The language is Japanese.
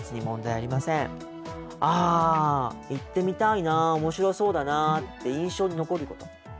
「ああ、行ってみたいなおもしろそうだな」って印象に残ること。